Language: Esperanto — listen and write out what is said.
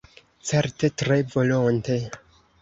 Certe, tre volonte.